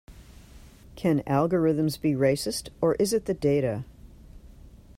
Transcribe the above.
Can algorithms be racist or is it the data?